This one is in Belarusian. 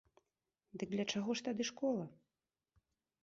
Дык для чаго тады школа?